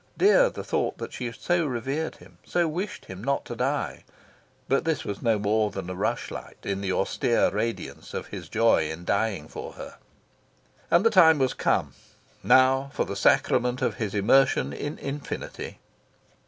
Dear the thought that she so revered him, so wished him not to die. But this was no more than a rush light in the austere radiance of his joy in dying for her. And the time was come. Now for the sacrament of his immersion in infinity.